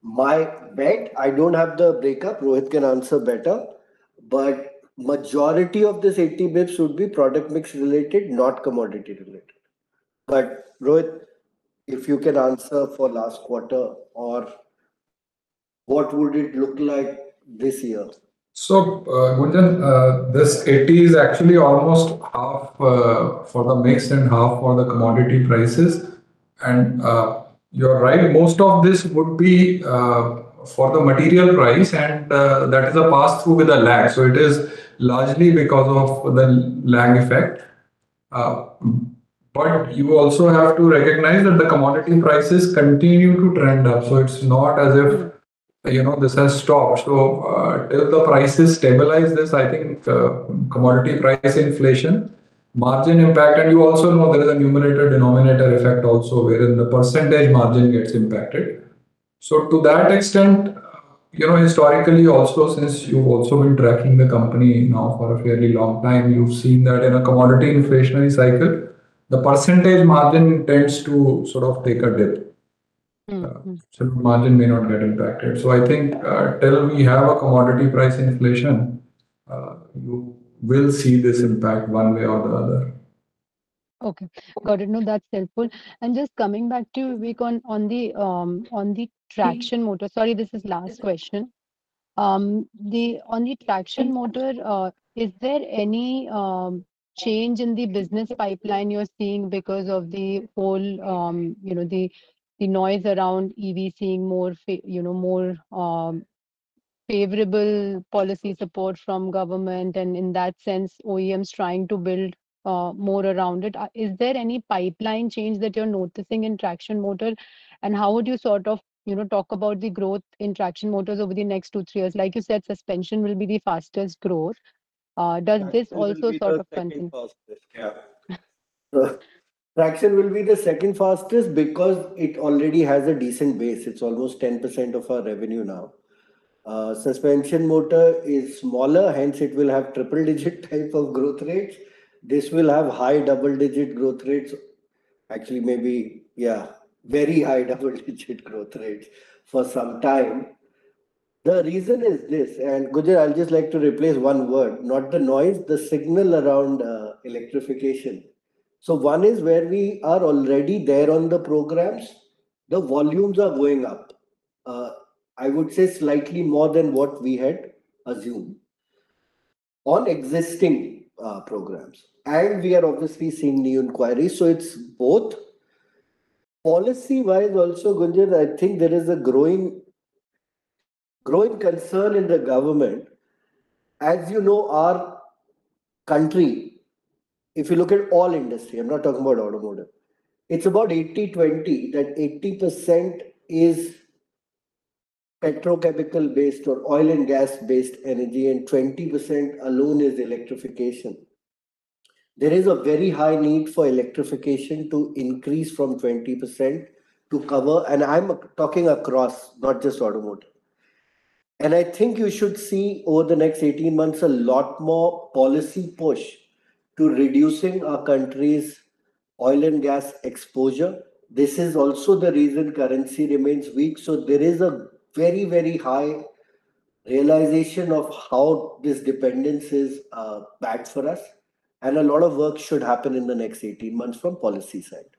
My bet, I don't have the breakup, Rohit can answer better, but majority of this 80 basis points would be product mix-related, not commodity-related. Rohit, if you can answer for last quarter or what would it look like this year? Gunjan, this 80 basis points is actually almost half for the mix and half for the commodity prices. You're right, most of this would be for the material price, and that has passed through with a lag. It is largely because of the lag effect. You also have to recognize that the commodity prices continue to trend up, so it's not as if, you know, this has stopped. Till the prices stabilize this, I think the commodity price inflation margin impact, and you also know there is a numerator-denominator effect also wherein the percentage margin gets impacted. To that extent, you know, historically also, since you've also been tracking the company now for a fairly long time, you've seen that in a commodity inflationary cycle, the percentage margin tends to sort of take a dip. Mm-hmm. Margin may not get impacted. I think, till we have a commodity price inflation, you will see this impact one way or the other. Okay. Got it. No, that's helpful. Just coming back to, Vivek, on the traction motor. Sorry, this is last question. On the traction motor, is there any change in the business pipeline you're seeing because of the whole, you know, the noise around EV seeing more, you know, more favorable policy support from government and in that sense, OEMs trying to build more around it? Is there any pipeline change that you're noticing in traction motor, and how would you sort of, you know, talk about the growth in traction motors over the next two, three years? Like you said, suspension will be the fastest growth. Does this also sort of continue? It will be the second fastest. Yeah. Traction will be the second fastest because it already has a decent base. It's almost 10% of our revenue now. Suspension motor is smaller, hence it will have triple-digit type of growth rates. This will have high double-digit growth rates. Actually maybe, yeah, very high double-digit growth rates for some time. The reason is this, and Gunjan, I'll just like to replace one word, not the noise, the signal around electrification. One is where we are already there on the programs, the volumes are going up, I would say slightly more than what we had assumed on existing programs. We are obviously seeing new inquiries, it's both. Policy-wise also, Gunjan, I think there is a growing concern in the government. As you know, our country, if you look at all industry, I'm not talking about automotive, it's about 80/20. That 80% is petrochemical-based or oil- and gas-based energy, 20% alone is electrification. There is a very high need for electrification to increase from 20% to cover, and I'm talking across, not just automotive. I think you should see over the next 18 months a lot more policy push to reducing our country's oil and gas exposure. This is also the reason currency remains weak. There is a very, very high realization of how this dependence is bad for us, and a lot of work should happen in the next 18 months from policy side.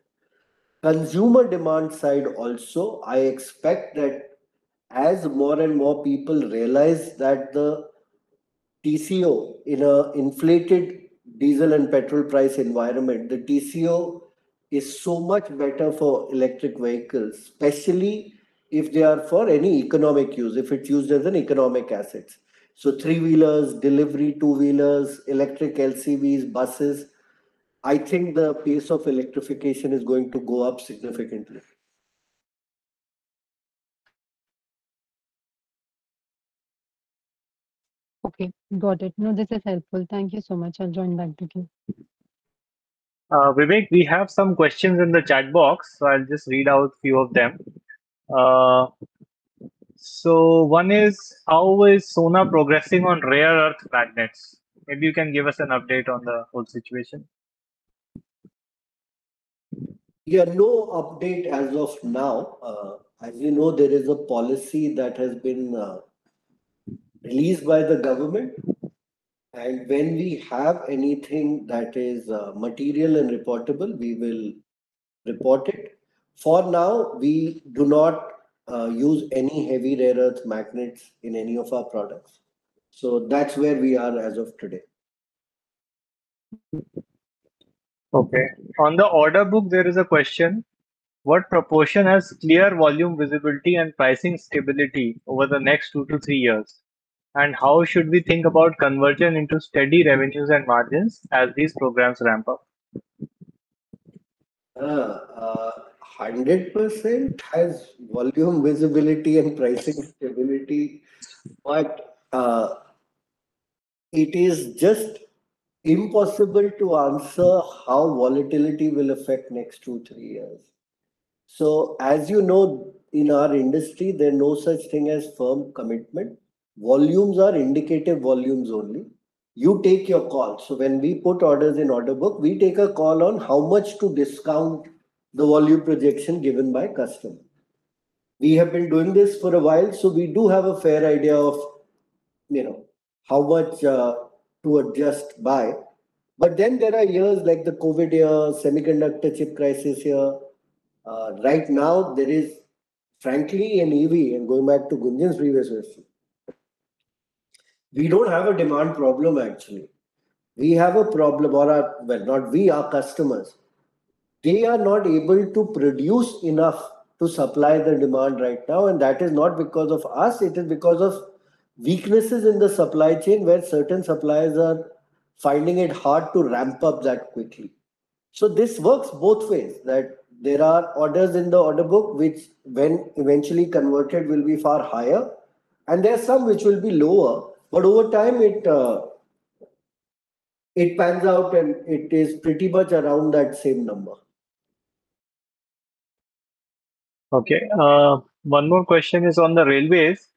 Consumer demand side also, I expect that as more and more people realize that the TCO in a inflated diesel and petrol price environment, the TCO is so much better for electric vehicles, especially if they are for any economic use, if it's used as an economic assets. Three-wheelers, delivery, two-wheelers, electric LCVs, buses. I think the pace of electrification is going to go up significantly. Okay. Got it. No, this is helpful. Thank you so much. I'll join back the queue. Vivek, we have some questions in the chat box, so I'll just read out few of them. One is, "How is Sona progressing on rare earth magnets? Maybe you can give us an update on the whole situation." Yeah, no update as of now. As you know, there is a policy that has been released by the government, and when we have anything that is material and reportable, we will report it. For now, we do not use any heavy rare earth magnets in any of our products. That's where we are as of today. Okay. On the order book, there is a question, "What proportion has clear volume visibility and pricing stability over the next two to three years, and how should we think about conversion into steady revenues and margins as these programs ramp up?" 100% has volume visibility and pricing stability, but it is just impossible to answer how volatility will affect next two, three years. As you know, in our industry, there's no such thing as firm commitment. Volumes are indicative volumes only. You take your call. When we put orders in order book, we take a call on how much to discount the volume projection given by customer. We have been doing this for a while, so we do have a fair idea of how much to adjust by. There are years like the COVID year, semiconductor chip crisis year. Right now, there is frankly an EV, and going back to Gunjan's previous question, we don't have a demand problem, actually. We have a problem or, well, not we, our customers, they are not able to produce enough to supply the demand right now. That is not because of us, it is because of weaknesses in the supply chain where certain suppliers are finding it hard to ramp up that quickly. This works both ways, that there are orders in the order book which when eventually converted will be far higher, and there are some which will be lower. Over time it pans out and it is pretty much around that same number. Okay. One more question is on the railways.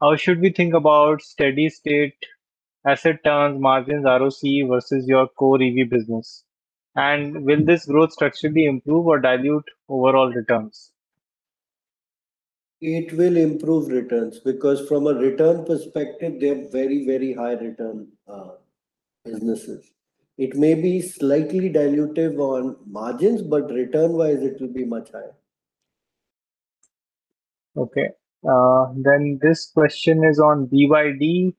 How should we think about steady state asset turns, margins, ROC versus your core EV business? Will this growth structurally improve or dilute overall returns? It will improve returns, because from a return perspective, they're very, very high return businesses. It may be slightly dilutive on margins but return-wise, it will be much higher. Okay. This question is on BYD.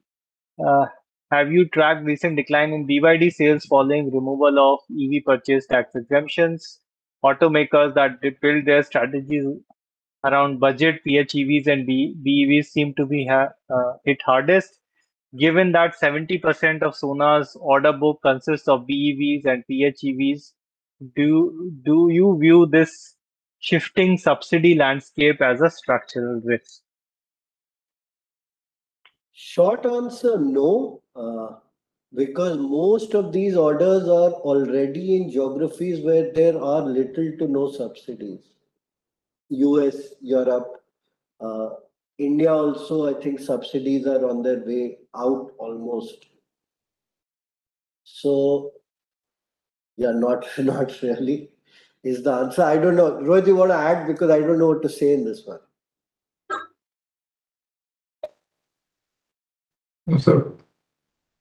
Have you tracked recent decline in BYD sales following removal of EV purchase tax exemptions? Automakers that built their strategies around budget PHEVs and BEVs seem to be hit hardest. Given that 70% of Sona's order book consists of BEVs and PHEVs, do you view this shifting subsidy landscape as a structural risk? Short answer, no, because most of these orders are already in geographies where there are little to no subsidies. U.S., Europe, India also, I think subsidies are on their way out almost. Yeah, not really is the answer. I don't know. Rohit, you wanna add? Because I don't know what to say in this one. No, sir.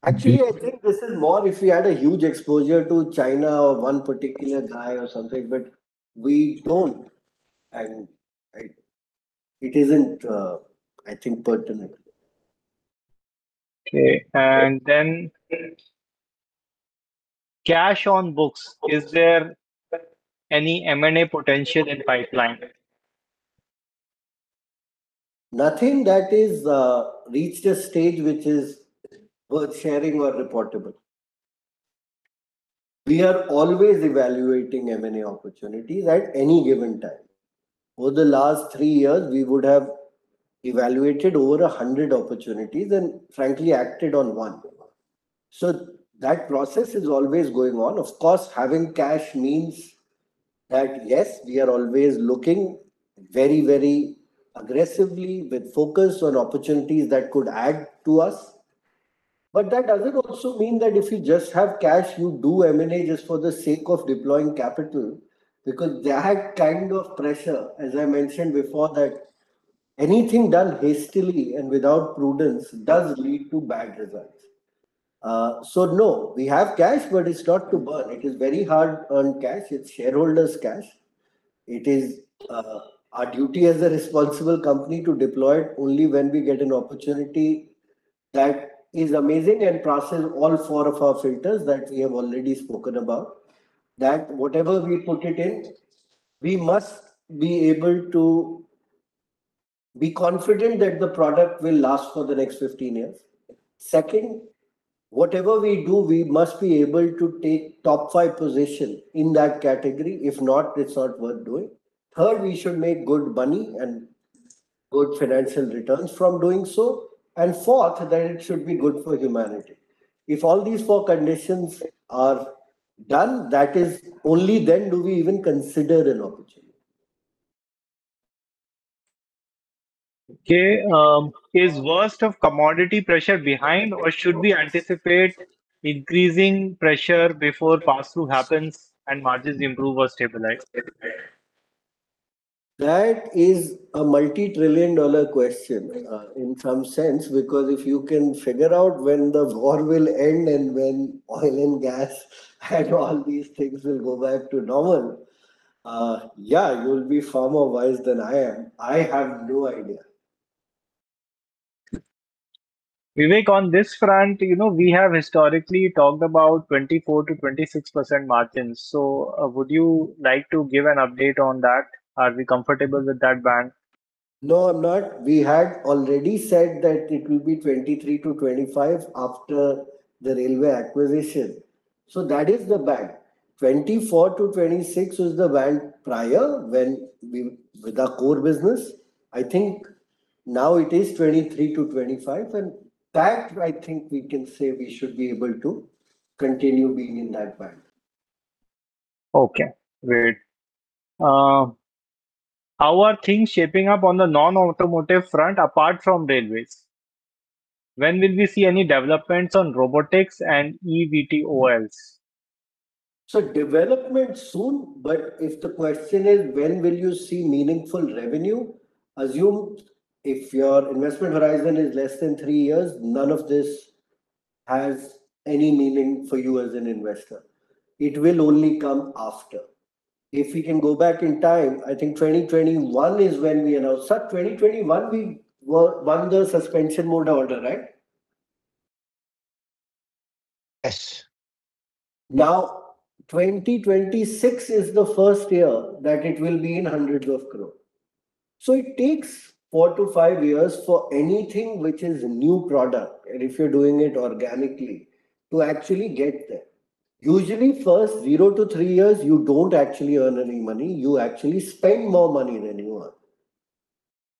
I think this is more if we had a huge exposure to China or one particular guy or something, but we don't, and it isn't, I think, pertinent. Okay. Then cash on books, is there any M&A potential in pipeline? Nothing that is reached a stage which is worth sharing or reportable. We are always evaluating M&A opportunities at any given time. Over the last three years, we would have evaluated over 100 opportunities, and frankly, acted on one. That process is always going on. Of course, having cash means that, yes, we are always looking very, very aggressively with focus on opportunities that could add to us. That doesn't also mean that if you just have cash, you do M&A just for the sake of deploying capital, because that kind of pressure, as I mentioned before, that anything done hastily and without prudence does lead to bad results. No. We have cash, but it's got to burn. It is very hard-earned cash. It's shareholders' cash. It is our duty as a responsible company to deploy it only when we get an opportunity that is amazing and passes all four of our filters that we have already spoken about. Whatever we put it in, we must be able to be confident that the product will last for the next 15 years. Second, whatever we do, we must be able to take top five position in that category. If not, it's not worth doing. Third, we should make good money and good financial returns from doing so. Fourth, that it should be good for humanity. If all these four conditions are done, that is only then do we even consider an opportunity. Okay. Is worst of commodity pressure behind or should we anticipate increasing pressure before pass-through happens and margins improve or stabilize? That is a multi-trillion-dollar question, in some sense, because if you can figure out when the war will end and when oil and gas and all these things will go back to normal, yeah, you'll be far more wise than I am. I have no idea. Vivek, on this front, you know, we have historically talked about 24%-26% margins. Would you like to give an update on that? Are we comfortable with that band? No, I'm not. We had already said that it will be 23%-25% after the railway acquisition. That is the band. 24%-26% is the band prior when, with our core business. I think now it is 23%-25%, and that I think we can say we should be able to continue being in that band. Okay, great. How are things shaping up on the non-automotive front apart from railways? When will we see any developments on robotics and eVTOLs? Development soon, but if the question is when will you see meaningful revenue? Assume if your investment horizon is less than three years, none of this has any meaning for you as an investor. It will only come after. If we can go back in time, I think 2021 is when we announced. Sat, 2021 we won the suspension motor order, right? Yes. 2026 is the first year that it will be in hundreds of crore. It takes four to five years for anything which is new product, and if you're doing it organically, to actually get there. Usually, first zero to three years you don't actually earn any money, you actually spend more money than you earn.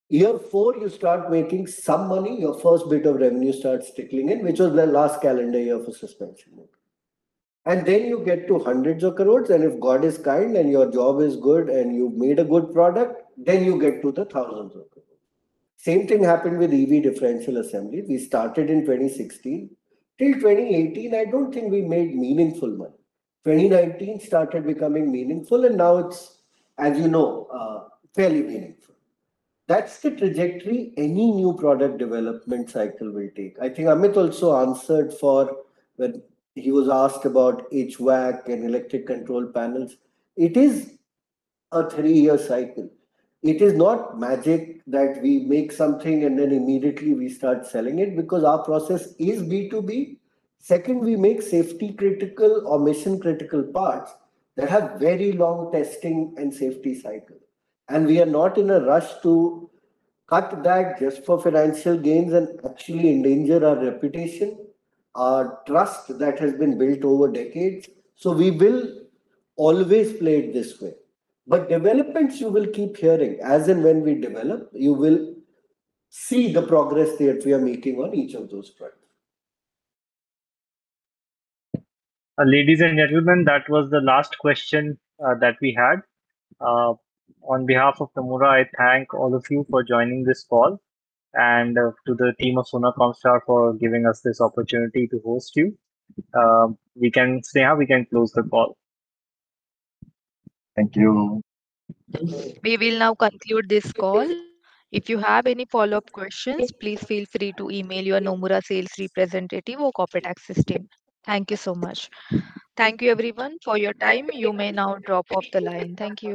Year four, you start making some money, your first bit of revenue starts trickling in, which was the last calendar year for suspension motor. You get to hundreds of crore, and if God is kind and your job is good and you've made a good product, then you get to the thousands of crore. Same thing happened with EV differential assembly. We started in 2016. Till 2018, I don't think we made meaningful money. 2019 started becoming meaningful, and now it's, as you know, fairly meaningful. That's the trajectory any new product development cycle will take. I think Amit also answered for when he was asked about HVAC and electric control panels. It is a three-year cycle. It is not magic that we make something and then immediately we start selling it, because our process is B2B. Second, we make safety-critical or mission-critical parts that have very long testing and safety cycle. We are not in a rush to cut that just for financial gains and actually endanger our reputation, our trust that has been built over decades. We will always play it this way. But developments, you will keep hearing. As and when we develop, you will see the progress that we are making on each of those products. Ladies and gentlemen, that was the last question that we had. On behalf of Nomura, I thank all of you for joining this call, and to the team of Sona Comstar for giving us this opportunity to host you. Neha, we can close the call. Thank you. We will now conclude this call. If you have any follow-up questions, please feel free to email your Nomura sales representative or corporate access team. Thank you so much. Thank you everyone for your time. You may now drop off the line. Thank you.